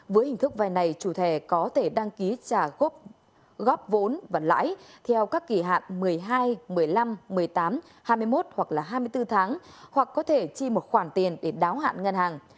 với hình thức vay này chủ thẻ có thể đăng ký trả góp vốn và lãi theo các kỳ hạn một mươi hai một mươi năm một mươi tám hai mươi một hoặc hai mươi bốn tháng hoặc có thể chi một khoản tiền để đáo hạn ngân hàng